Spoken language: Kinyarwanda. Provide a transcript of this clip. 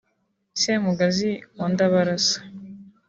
Semugazi wa Ndabarasa